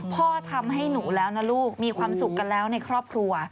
พ่อทำให้หนูแล้วนะลูกมีความสุขกันแล้วในครอบครัว